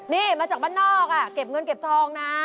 นี่มาจากบ้านนอกเก็บเงินเก็บทองนะ